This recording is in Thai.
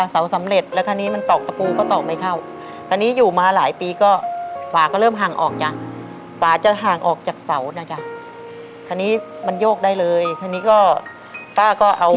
เสาสำเร็จแล้วคราวนี้มันตอกตะปูก็ตอกไม่เข้าตอนนี้อยู่มาหลายปีก็ฝาก็เริ่มห่างออกจ้ะฝาจะห่างออกจากเสานะจ๊ะคราวนี้มันโยกได้เลยทีนี้ก็ป้าก็เอา